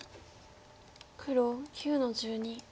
黒９の十二。